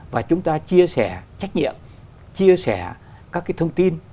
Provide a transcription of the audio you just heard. và chúng ta chia sẻ trách nhiệm chia sẻ các cái thông tin